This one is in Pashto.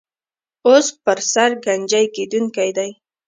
اوس پر سر ګنجۍ کېدونکی دی.